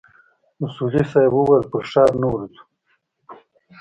اصولي صیب وويل پر ښار نه ورځو.